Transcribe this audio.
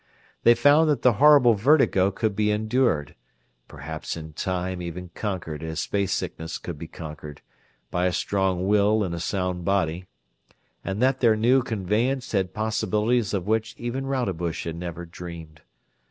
They found that the horrible vertigo could be endured, perhaps in time even conquered as space sickness could be conquered, by a strong will in a sound body; and that their new conveyance had possibilities of which even Rodebush had never dreamed.